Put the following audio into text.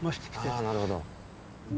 ああなるほど。